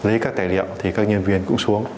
khi lấy các tài liệu thì nhân viên cũng xuống